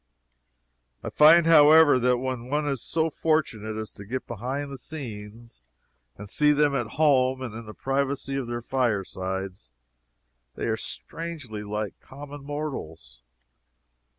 I find, however, that when one is so fortunate as to get behind the scenes and see them at home and in the privacy of their firesides, they are strangely like common mortals.